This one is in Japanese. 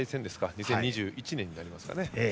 ２０２１年になりますかね。